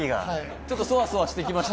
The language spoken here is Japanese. ちょっとそわそわしてきました？